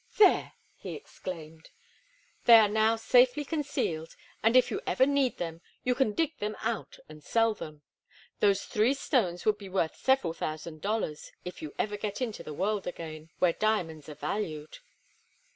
"There!" he exclaimed. "They are now safely concealed, and if you ever need them you can dig them out and sell them. Those three stones would be worth several thousand dollars if you ever get into the world again, where diamonds are valued."